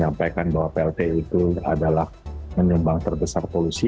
sampaikan bahwa pltu itu adalah menumbang terbesar polusi